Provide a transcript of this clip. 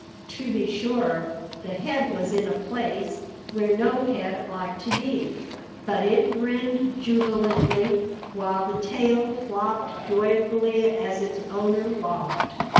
To be sure, the head was in a place where no head ought to be, but it grinned jubilantly while the tail flopped joyfully as its owner walked.